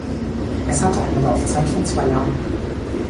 Es hatte eine Laufzeit von zwei Jahren.